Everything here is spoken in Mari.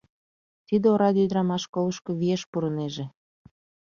Тиде ораде ӱдырамаш школышко виеш пурынеже.